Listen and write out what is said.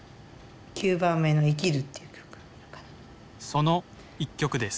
その一曲です。